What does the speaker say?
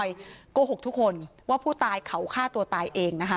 โกหกทุกคนว่าผู้ตายเขาฆ่าตัวตายเองนะคะ